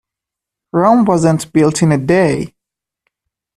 Rome wasn't built in a day.